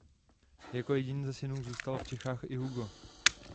Jako jediný ze synů zůstal v Čechách i Hugo.